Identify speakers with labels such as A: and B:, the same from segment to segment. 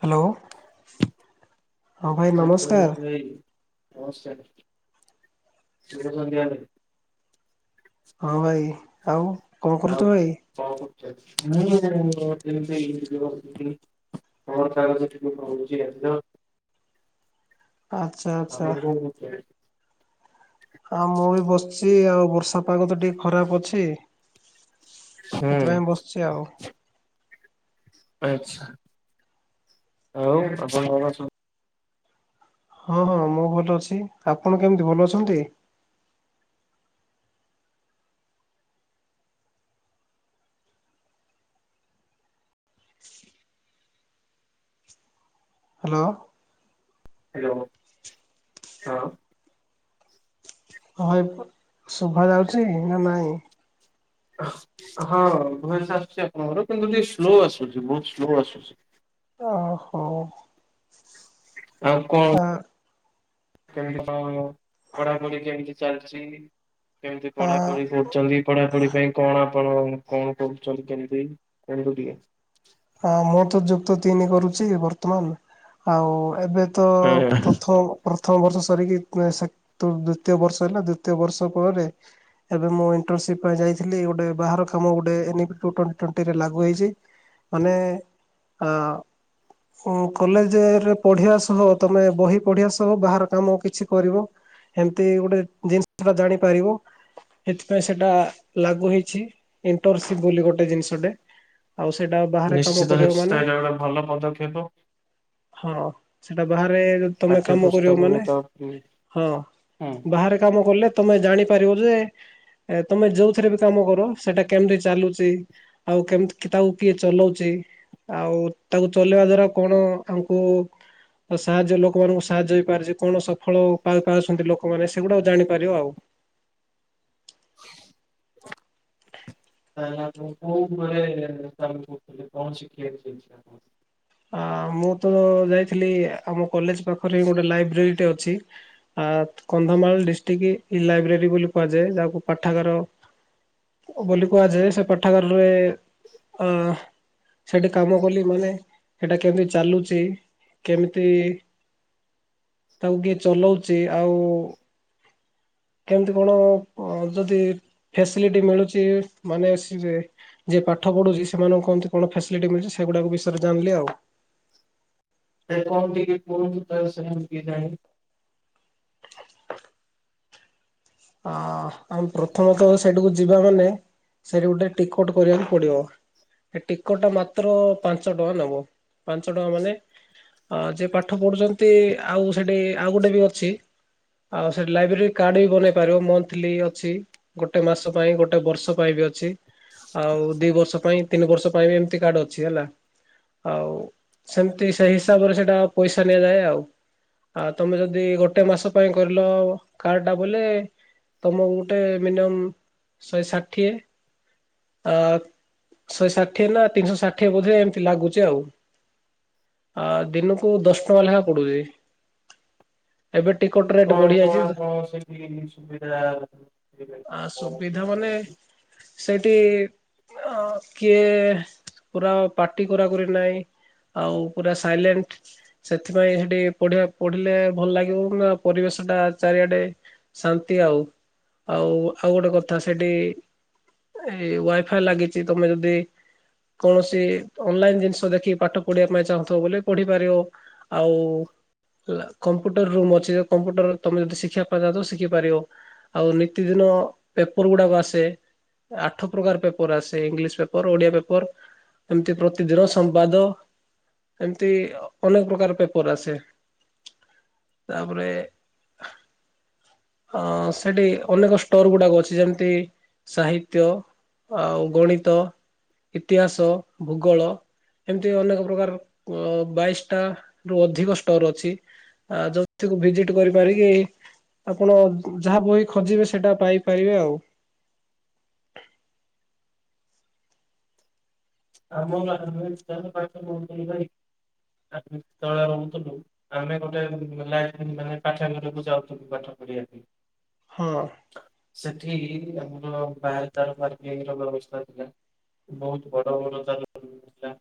A: Hello, ହଁ ଭାଇ ନମସ୍କାର।
B: ନମସ୍କାର। [inaudible]
A: ହଁ ଭାଇ। ଆଉ କଣ କରୁଛ ଭାଇ?
B: ମୁ [unintelligible] କଣ ତା ସେ ଟିକେ କହୁଛି ଆଜି ତ
A: ଆଚ୍ଛା। ଆଚଛା।
B: [inaudible]
A: ହଁ ମୁଁ ବି ବସିଛି ଆଉ, ବର୍ଷା ପାଗ ତ ଟିକେ ଖରାପ ଅଛି।
B: ହୁଁ
A: ସେଥିପାଇଁ ବସିଛି ଆଉ।
B: ଆଚଛା ଆଉ ଆପଣ?
A: ହଁ ହଁ ମୁଁ ଭଲ ଅଛି। ଆପଣ କେମିତି? ଭଲ ଅଛନ୍ତି। ହ୍ୟାଲୋ।
B: ହ୍ୟାଲୋ ହଁ।
A: ହଁ ଭାଇ ଶୁଭା ଯାଉଛି, ନା ନାହିଁ?
B: ହଁ ଭୟସ ଆସୁଛି ଆପଣଙ୍କର, କିନ୍ତୁ ଟିକେ ସ୍ଲୋ ଆସୁଛି, ବହୁତ ସ୍ଲୋ ଆସୁଛି।
A: ଓହୋ।
B: ଆଉ କଣ
A: ଆ
B: କେମିତି କଣ ପଢାପଢି କେମିତି ଚାଲିଛି। କେମିତି
A: ଆ
B: ପଢାପଢି କରୁଛନ୍ତି? ପଢାପଢି ପାଇଁ କଣ ଆପଣ କଣ କରୁଛନ୍ତି? କେମିତି କିନ୍ତୁ ଟିକେ
A: ହଁ ମୁଁ ତ ଯୁକ୍ତ ତିନି କରୁଛି ବର୍ତ୍ତମାନ। ଆଉ ଏବେ
B: ଟିକେ।
A: ପ୍ରଥମ ପ୍ରଥମ ବର୍ଷ ସରିକି, ଦ୍ଵିତୀୟ ବର୍ଷ ହେଲା। ଦ୍ଵିତୀୟ ବର୍ଷ ପରେ ଏବେ ମୁଁ ଇଣ୍ଟର୍ନସିପ ପାଇଁ ଯାଇଥିଲି, ଗୋଟେ ବାହାର କାମ ଗୋଟେ, ଏନଭିି ଟୁ ଟ୍ୱେଣ୍ଟି ଟ୍ୱେଣ୍ଟିରେ ଲାଗୁ ହୋଇଛି। ମାନେ ଆଁ ଓ କଲେଜରେ ପଢ଼ିବା ସହ, ତମେ ବହି ପଢ଼ିବା ସହ, ବାହାର କାମ କିଛି କରିବ। ଏମିତି ଗୋଟେ ଜିନିଷଟା ଜାଣିପାରିବୁ। ସେଥିପାଇଁ ସେଟା ଲାଗୁ ହେଇଛି। ଇଣ୍ଟନସିପ ବୋଲି ଗୋଟେ ଜିନିଷଟେ, ଆଉ ସେଟା
B: ନିଶ୍ଚିତ ନିଶ୍ଚିତ ଏଇଟା ଗୋଟେ ଭଲ ପଦକ୍ଷେପ।
A: ହଁ ସେଟା ବାହାରେ ତମେ
B: ପାଠ୍ୟ
A: କାମ କରିବ
B: ପୁସ୍ତକକୁ
A: ମାନେ,
B: ତ ହୁଁ
A: ହଁ,
B: ତାହେଲେ
A: ବାହାରେ କାମ କଲେ ତମେ ଜାଣିପାରିବ ଯେ ଏ ତମେ ଯୋଉଥିରେ ବି କାମ କର ସେଟା କେମିତି ଚାଲୁଛି, ଆଉ କେମତି ତାକୁ କିଏ ଚଲଉଛି, ଆଉ ତାକୁ ଚଲେଇବା ଦ୍ଵାରା କଣ ଆମକୁ ଆଉ ସାହାଯ୍ୟ ଲୋକମାନଙ୍କୁ ସାହାଯ୍ୟ ହେଇପାରୁଛି। କଣ ସଫଳପାଉଛନ୍ତି ଲୋକମାନେ, ସେଗୁଡା ଜାଣିପାରିବ ଆଉ।
B: [inaudible] ଆଣ କୋଉ ଘରେଥିଲେ କଣ ଶିଖିବାକୁ।
A: ଆ ମୁଁ ତ ଯାଇଥିଲି ଆମ କଲେଜ ପାଖରେ ହିଁ ଗୋଟେ ଲାଇବ୍ରେରୀଟେ ଅଛି। ଆ କନ୍ଧମାଳ ଡିଷ୍ଟ୍ରିକ୍ଟ ଇ ଲାଇବ୍ରେରୀ ବୋଲି କୁହାଯାଏ। ଯାହାକୁ ପାଠାଗାର ବୋଲି କୁହାଯାଏ ସେ ପାଠାଗାରରେ ଅ ସେଠି କାମ କଲି ମାନେ ସେଟା କେମିତି ଚାଲୁଛି, କେମିତି ତାକୁ କିଏ ଚଲଉଛି ଆଉ କେମିତି କଣ ଯଦି ଫେସିଲିଟି ମିଳୁଛି ମାନେ ଯିଏ ପାଠ ପଢୁଛି ସେମାନଙ୍କୁ କେମିତି କଣ ଫ୍ୟାସିଲିଟି ମିଳୁଛି ସେଗୁଡ଼ାକ ବିଷୟରେ ଜାଣିଲି ଆଉ।
B: କାଇଁ କଣ ଟିକେ କୁହନ୍ତୁ ତା ବିଷୟରେ ମୁଁ ବି ଟିକେ ଜାଣି
A: ଆ ଆମେ ପ୍ରଥମତଃ ସେଇଠାକୁ ଯିବା ମାନେ ସେଠି ଗୋଟେ ଟିକଟ କରିବାକୁ ପଡିବ। ଏ ଟିକଟ ଟା ମାତ୍ର ପାଞ୍ଚ ଟଙ୍କା ନବ, ପାଞ୍ଚ ଟଙ୍କା ମାନେ ଅ ଯିଏ ପାଠ ପଢୁଛନ୍ତି ଆଉ ସେଠି ଆଉ ଗୋଟେ ବି ଅଛି। ଆଉ ସେଠ ଲାଇବ୍ରେରିରେ କାର୍ଡ ବି ବନେଇ ପାରିବ ମନ୍ଥଲି ଅଛି ଗୋଟେ ମାସ ପାଇଁ ଗୋଟେ ବର୍ଷ ପାଇଁ ବି ଅଛି। ଆଉ ଦି ବର୍ଷ ପାଇଁ ତିନି ବର୍ଷ ପାଇଁ ବି ଏମିତି କାର୍ଡ ଅଛି ହେଲା। ଆଉ ସେମିତି ସେ ହିସାବରେ ସେଇଟା ପଇସା ନିଆଯାଏ ଆଉ। ଆଉ ତମେ ଯଦି ଗୋଟେ ମାସ ପାଇଁ କରିଲ କାର୍ଡଟା ବୋଲେ ତମକୁ ଗୁଟେ ମିନିୟମ ଶହେ ଷାଠିଏ ଆ ଶହେ ଷାଠିଏ ନା ତିନିଶହ ଷାଠିଏ ବୋଧେ ଏମିତି ଲାଗୁଚି ଆଉ। ଆ ଦିନକୁ ଦଶ ଟଙ୍କା ଲେଖା ପଡୁଚି। ଏବେ ଟିକଟ ରେଟ ବଢିଯାଇଛି ତ।
B: କି ସୁବିଧା।
A: ଆ
B: କେମିତି
A: ସୁବିଧା ମାନେ
B: ହଉଛି?
A: ସେଇଠି ଅ କିଏ ପୁରା ପାଟି କରାକରି ନାଇଁ। ଆଉ ପୁରା ସାଇଲେଣ୍ଟ। ସେଥିପାଇଁ ସେଠି ପଢ଼ିବା ପଢ଼ିଲେ ଭଲ ଲାଗିବ ନା ପରିବେଶଟା ଚାରିଆଡ଼େ। ଶାନ୍ତି ଆଉ, ଆଉ ଆଉ ଗୋଟେ କଥା ସେଠି ଏଇ ୱାଇ-ଫାଇ ଲାଗିଚି ତମେ ଯଦି କୌଣସି ଅନଲାଇନ ଜିନିଷ ଦେଖିକି ପାଠ ପଢିଆ ପାଇଁ ଚାହୁଁଥିବ ବୋଲେ ପଢିପାରିବ। ଆଉ କମ୍ପ୍ୟୁଟର ରୁମ ଅଛି, କମ୍ପୁଟର ତମେ ଯଦି ଶିଖିବା ପାଇଁ ଚାହୁଁଥିବ ଶି କି ପାରିବ ଆଉ ନିତିଦିନ ପେପର ଗୁଡାକ ଆସେ। ଆଠ ପ୍ରକାର ପେପର ଆସେ ଇଂଲିଶ ପେପର, ଓଡିଆ ପେପର। ଏମିତି ପ୍ରତିଦିନ ସମ୍ବାଦ। ଏମିତି ଅନେକ ପ୍ରକାର ପେପର ଆସେ, ତାପରେ ଅ ସେଠି ଅନେକ ଷ୍ଟୋର ଗୁଡାକ ଅଛି ଯେମିତି ସାହିତ୍ୟ। ଆଉ ଗଣିତ, ଇତିହାସ, ଭୂଗୋଳ। ଏମିତି ଅନେକ ପ୍ରକାର ଅ ବାଇଶଟା ରୁ ଅଧିକ ଷ୍ଟୋର ଅଛି। ଆ ଯଉଥିକୁ ଭିଜିଟ କରିପାରିକି ଆପଣ ଯାହା ବହି ଖୋଜିବେ ସେଇଟା ପାଇପାରିବେ ଆଉ।
B: ଆମ [unintelligible] ରହୁଥିଲୁ ଭାଇ ଆମେ ତଳେ ରହୁଥିଲୁ। ଆମେ ଗୋଟେ ମାନେ ପାଠାଗାରାକୁ ଯାଉଥିଲୁ ପାଠ ପଢିବା ପାଇଁ।
A: ହଁ।
B: ସେଠି ଆମର ପାର୍କ ଆଉ ପାର୍କିଂ ର ବ୍ୟବସ୍ଥା ଥିଲା, ବହୁତ ବଡ ବଡ ଚାଲାଣ ଥିଲା।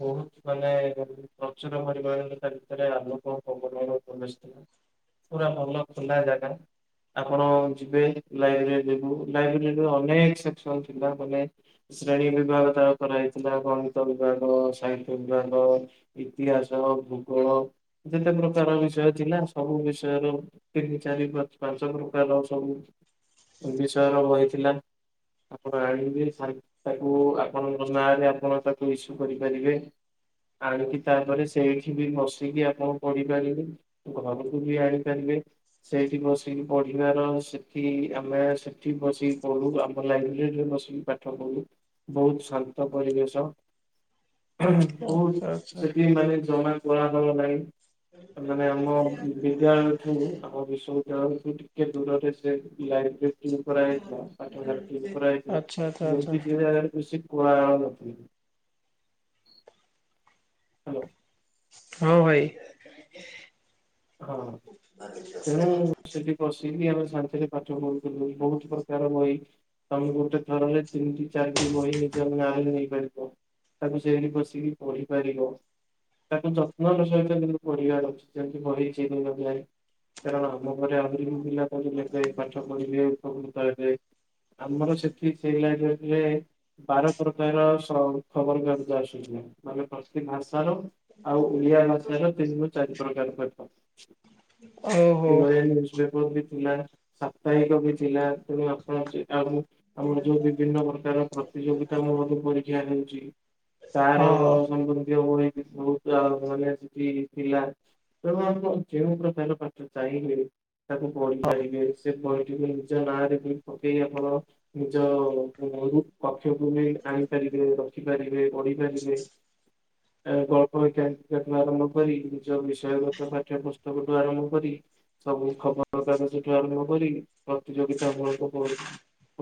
B: ବହୁତ୍ ମାନେ ପ୍ରଚୁର ପରିମାଣରେ ତା ଭିତରେ ଆଲୋକ ପବନର ପ୍ରବେଶ ଥିଲା। ପୁରା ଭଲ ଖୋଲା ଜାଗା। ଆପଣ ଯିବେ ଲାଇବ୍ରେରୀ ଯିବୁ। ଲାଇବ୍ରେରୀରେ ଅନେକ ସେକ୍ସନ ଥିଲା ମାନେ ଶ୍ରେଣୀ ବିଭାଗ ତା ଉପରେ ହେଇଥିଲା। ଗଣିତ ବିଭାଗ, ସାହିତ୍ୟ ବିଭାଗ। ଇତିହାସ, ଭୂଗୋଳ ଯେତେ ପ୍ରକାର ବିଷୟ ଥିଲା ସବୁ ବିଷୟ ରୁ ତିନି, ଚାରି, ପାଞ୍ଚ ପ୍ରକାର ସବୁ। ବିଷୟର ବହିଥିଲା। ଆପଣ ଆଣିବେ [unintelligible] ତାକୁ ଆପଣଙ୍କ ନାଁରେ ଆପଣ ତାକୁ ଇସୁ କରିପାରିବେ। ଆଣିକି ତାପରେ ସେଇଠି ବି ବସିକି ଆପଣ ପଢିପାରିବେ। ଘରୁକୁ ବି ଆଣିପାରିବେ। ସେଇଠି ବସିକି ପଢିବାର ସେଠି ଆମେ ସେଠି ବସିକି ପଢୁ। ଆମ ଲାଇବ୍ରେରୀରେ ବସି। ପାଠ ପଢ଼ୁ। ବହୁତ ଶାନ୍ତ ପରିବେଶ।
A: ଆଚ୍ଛା ଆଚ୍ଛା।
B: ବହୁତ ସେଠି ମାନେ ଜମା କୋଳାହଳ ନାହିଁ। ମାନେ ଆମ ବିଦ୍ୟାଳୟଠୁ ଆମ ବିଶୁ ଗାଁ ଠୁ ଟିକେ ଦୂରରେ ସେ ଲାଇବ୍ରେ
A: ଆଚ୍ଛା ଆଚ୍ଛା ଆଚ୍ଛା
B: [unintelligible] [inaudible]
A: ହଁ, ଭାଇ।
B: [inaudible] ବସିକି ଆମେ ଶାନ୍ତିରେ ପାଠ ପଢୁଥିଲୁ, ବହୁତ୍ ପ୍ରକାର ବଇ। ତମେ ଗୋଟେ ଥରରେ ତିନିଟି ଚାରିଟି ବହି, ନିଜ ନାଁ ରେ ନେଇପାରିବ। ତାକୁ ସେଇଠି ବସିକି ପଢ଼ିପାରିବ, ତାକୁ ଯତ୍ନର ସହିତ କିନ୍ତୁ ପଢ଼ିବାର ଅଛି। [unintelligible] କାରଣ ଆମ ଘରେ ଆହୁରି ବି ପିଲା ବହି ନେବେ, ପାଠ ପଢ଼ିବେ, ଉପ--ତ ହେବେ। ଆମର ସେଠି, ସେଇ ଲାଇନ୍‌ରେ ଲେ। ବାର ପ୍ରକାର ସ ଖବର କାଗଜ ଆସୁଥିଲା, ପ୍ରତି ଭାଷାର [unintelligible] ଏଇ
A: ଓହୋ
B: ଭଳିଆ ନ୍ୟୁଜ୍‌ ପେପର୍ ବି ଥିଲା। [inaudible] ଆମର ଯଉ ବିଭିନ୍ନ ପ୍ରକାର ପ୍ରତି ଯୋଗିତା ପରୀକ୍ଷା ହେଉଚି।
A: ହଁ ହଁ।
B: [unintelligible] [inaudible] ତାକୁ ପଢ଼ି ପାରିବେ, ସେ ବହିଟିକୁ ନିଜ ନାଁରେ ବି ପକେଇ ଆପଣ। ନିଜ ଆଣି ପାରିବେ, ରଖି ପାରିବେ, ପଢ଼ି ପାରିବେ। [unintelligible] ପାଠ୍ୟ ପୁସ୍ତକ ଆରମ୍ଭ କରି ସବୁ ଖବର କାଗଜ ଠୁ ଆରମ୍ଭ କରି, ପ୍ରତିଯୋଗିତା ମୂଳକ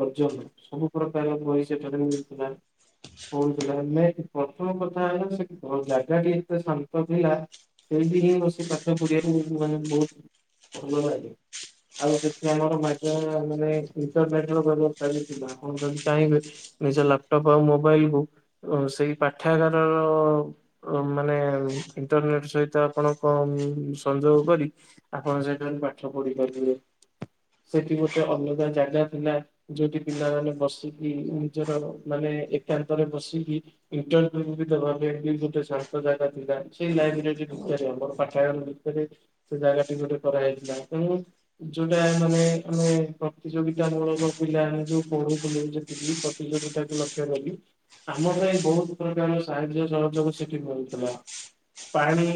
B: ପର୍ଯ୍ୟନ୍ତ, ସବୁ ପ୍ରକାର ବହି ସେଠାରେ ମିଳୁ ଥିଲା। [inaudible] ସେଇଠି ହିଁ ବସି ପାଠ ପଢ଼ିବାକୁ, ମାନେ ବହୁତ୍ ଭଲ ଲାଗେ। ଆଉ ସେଠି ଆମର ମାଗା ମାନେ ଇଣ୍ଟର୍ ନେଟ୍‌ର ବେବସ୍ତା ବି ଥିଲା, ଆପଣ ଯଦି ଚାଇଁବେ ନିଜ ଲାପ୍ଟପ୍ ଆଉ ମୋବାଇଲ୍‌ କୁ ସେଇ ପାଠ୍ୟା ଗାର ର ମାନେ ଇଣ୍ଟର୍ ନେଟ୍ ସହିତ ଆପଣ କମ୍ ସଂଯୋଗ କରି, ଆପଣ ସେ ପାଠ ପଢ଼ି ପାରିବେ। ସେଠି ଗୁଟେ ଅଲଗା ଜାଗା ଥିଲା। ଯଉଠି ପିଲାମାନେ ବସିକି, ନିଜର ମାନେ ଏକାନ୍ତରେ ବସିକି ଦେବା ପାଇଁ ଗୁଟେ ଶାନ୍ତ ଜାଗା ଥିଲା, ସେଇ ଲାଇବ୍ରେରୀ ଭିତରେ ଆମର। ପାଠାଗାର ଭିତରେ ସେ ଜାଗା ଟି କରା ହେଇଥିଲା। ତେଣୁ ଯଉଟା ମାନେ ଆମେ ପ୍ରତିଯୋଗିତା ମୂଳକ ପିଲା ଯଉ ପଢୁଥୁଲୁ ଯେତିକି। [unintelligible] ଆମ ପାଇଁ ବହୁତ୍ ପ୍ରକାର ସାହାଯ୍ୟ ସହଯୋଗ ସେଠି ମିଳୁଥିଲା। ପାଣି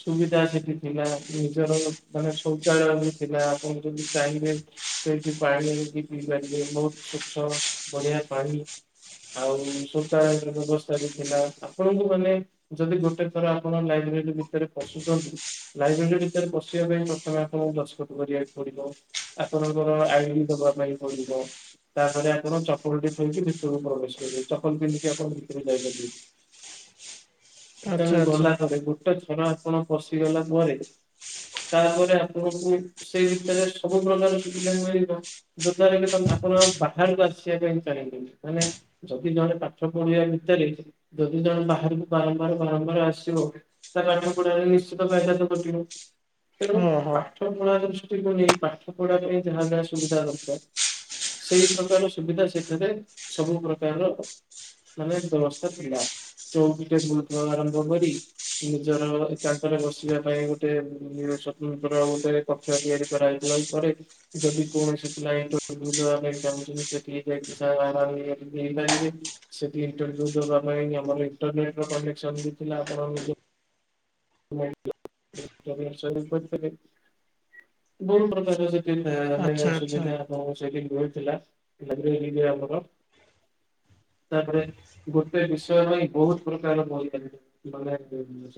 B: ସୁବିଦା ସେଠି ଥିଲା, ନିଜର ମାନେ ଶୌଚାଳୟ ବି ଥିଲା। ଆପଣ ଯଦି ଚାଇଁବେ ସେଇଠି ପାଣି ପିଇ ପାରିବେ, ବହୁତ୍ ସ୍ୱଚ୍ଛ ବଢ଼ିଆ ପାଣି। ଆଉ ଶୋଚା ବ୍ୟବସ୍ଥା ବି ଥିଲା। ଆପଣଙ୍କୁ ମାନେ ଯଦି ଗୁଟେ ଥର ଆପଣ ଲାଇବ୍ରେରୀ ଭି---ରେ ପସୁଚନ୍ତି, ଲାଇବ୍ରେରୀ ଭିତରେ ପସିବା ପାଇଁ ପ୍ରଥମେ ଆପଣଙ୍କୁ ଦସ୍କତ୍ କରିବାକୁ ପଡ଼ିବ। ଆପଣଙ୍କର ଆଇ ଦେବା ପାଇଁ ପଡ଼ିବ। ତା'ପରେ ଆପଣ ଚପଲ୍ ଟି ଥୁଇକି ଭିତୁରୁକୁ ପ୍ରବେଶ୍ କରିବେ। ଚପଲ୍ ପିନ୍ଧିକି ଆପଣ ଭିତ୍-ଯାଇ
A: [inaudible] ଆଚ୍ଛା ଆଚ୍ଛା
B: ଗଲା ପରେ, ଗୁଟେ ଥର ଆପଣ ପସିଗଲା ପରେ। ତା'ପରେ ଆପଣଙ୍କୁ ସେଇ ଭି--ରେ ସବୁ ପ୍ରକାର୍ ସୁବିଧା ମିଳିବ। [inaudible] ଯଦି ଜଣେ ପାଠ ପଢ଼ିବା ଭିତରେ ଯଦି ଜଣେ ବାହାରକୁ ବାରମ୍ବାର ବାରମ୍ବାର ଆସିବ। ନିଶ୍ଚିତ [unintelligible] କଟିବ ତେଣୁ
A: ହଁ ହଁ
B: ପାଠ ପଢା ଦୃଷ୍ଟିକୁ ନେଇ ପାଠ ପଢା ପାଇଁ ଯାହା ଯାହା ସୁବିଧା ଦରକାର ସେଇ ପ୍ରକାର ସୁବିଧା ସେଠାରେ ସବୁ ପ୍ରକାରର ମାନେ ବ୍ୟବସ୍ଥା ଥିଲା ଚଉକିରେ ବୃଥ ଆରମ୍ଭ କରି ନିଜର ଏକାନ୍ତରେ ବସିବା ପାଇଁ ଗୋଟେ ସ୍ବତନ୍ତ୍ର ଗୋଟେ କକ୍ଷ ତିଆରି କରାଯାଇଥିଲା ପରେ ଯଦି କୌଣସି ପାଇବା ପାଇଁ ଚାହୁଁଛନ୍ତି ସେଠିକି ଆର ନେଇପାରିବେ ସେଠି ଇଣ୍ଟରୁ ଆମର ଇଣ୍ଟରନେଟ ର କନେକ୍ସନ ବି ଥିଲା ଆପଣ ନିଜ ଦ [inaudible] ପ୍ରକାର ଆମ
A: ଆଚ୍ଛା ଆଚ୍ଛା
B: ସୁବିଧା ସେଥିଲା ଆମର ତାପରେ ଗୋଟେ ବିଷୟ ପାଇଁ ବହୁତ ପ୍ରକାର ବହି ମାନେ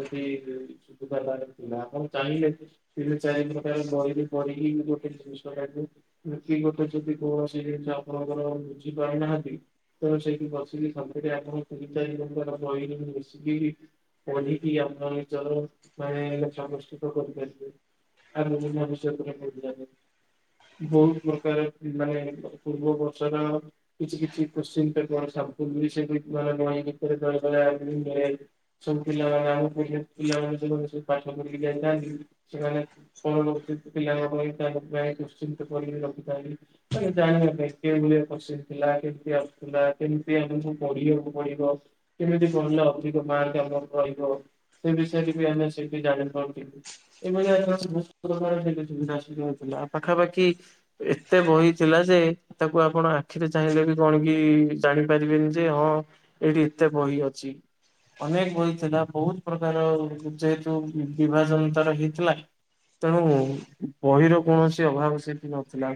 B: ସେଠି ସୁବିଧା ଥିଲା ଆପଣ ଚାହିଁଲେ କି ତିନି ଚାରି ପ୍ରକାର ବହିରୁ ପଢିକି ଗୋଟେ ଜିନିଷଟାକୁ ବତି କୋଟେ ଯଦି କୌଣସି ଜିନିଷ ଆପଣଙ୍କର ବୁଝି ପାରିନାହାନ୍ତି ସେଇଠି ବସିକିରେ ଆମ ତିନି ଚାରି ବଶିକି [unintelligible] ଆମେ [unintelligible] ବହୁତ ପ୍ରକାର ମାନେ ପୂର୍ବ ବର୍ଷର କିଛି କିଛି କୋଶ୍ଚିନ୍ ପେପର [unintelligible] ସେ ବହି ଭିତରେ ସବୁ ପିଲାମାନେ ଆମ ପିଲାମାନେ ସେ ସବୁ ପାଠ ପଢିକି ସେମାନେ କଣ ରହୁଛନ୍ତି ପିଲାଙ୍କ ପାଇଁ [unintelligible] କରିକି ରଖିଥାନ୍ତି। ନାଇଁ ଜାଣିଲାଇ [unintelligible] ଶଥିଲା କେମିତି ଆସୁଥିଲା କେମିତି ଆମକୁ ପଢିବାକୁ ପଡିବ କେମିତି କହିଲେ ଅଧିକ ମାର୍କ ଆମର ରହିବ ସେ ବିଷୟରେ ବି ଆମେ ସେଇଠି ଜାଣିପାରୁୁ ଏଇଭଳିଆ [unintelligible] ସୁବିଧା ଅସୁବିଧା ଥିଲା ପାଖାପାଖି ଏତେ ବହି ଥିଲା ଯେ ତାକୁ ଆପଣ ଆଖିରେ ଚାହିଁଲେ ବି କଣ କି ଜାଣିପାରିବେନି ଯେ ହଁ ଏଇଠି ଏତେ ବହି ଅଛି ଅନେକ ବହି ଥିଲା ବହୁତ ପ୍ରକାର ଯେହେତୁ ବିଭାଜନ ତାର ହେଇଥିଲା ତେଣୁ ବହିର କୌଣସି ଅଭାବ ସେଠି ନଥିଲା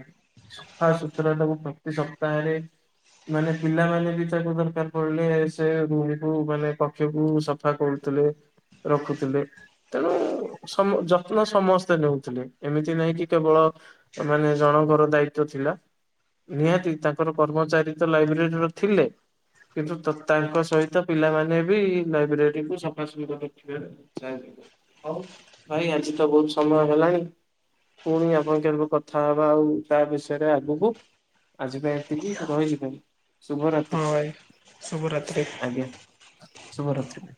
B: ସଫା ସୁୁତୁରା ତାକୁ ପ୍ରତି ସପ୍ତାହରେ ମାନେ ପିଲାମାନେ ବି ତାକୁ ଦରକାର ପଡିଲେ ସେ ରୁମକୁ ମାନେ କକ୍ଷକୁ ସଫା କରୁଥିଲେ ରଖୁଥିଲେ। ତେଣୁ ସମ ଯତ୍ନ ସମସ୍ତେ ନେଉଥିଲେ, ଏମିତି ନାହିଁ କି କେବଳ ମାନେ ଜଣଙ୍କର ଦାୟିତ୍ଵ ଥିଲା। ନିହାତି ତାଙ୍କର କର୍ମଚାରୀ ତ ଲାଇବ୍ରେରୀର ଥିଲେ। କିନ୍ତୁ, ତାଙ୍କ ସହିତ ପିଲାମାନେ ବି ଲାଇବ୍ରେରୀ କୁ ସଫା [unintelligible] ହଉ ଭାଇ ଆଜି ତ ବହୁତ ସମୟ ହେଲାଣି। ପୁଣି ଆପଣ କେବେ କଥା ହବା, ଆଉ ତା ବିଷୟରେ ଆଗକୁ। ଆଜି ପାଇଁ ତିି ରହିଲି ପାଇଁ
A: ହଁ ଭାଇ
B: ଶୁଭରାତ୍ରି।
A: ଶୁଭରାତ୍ରି।
B: ଆଜ୍ଞା। ଶୁଭ ରାତ୍ରି।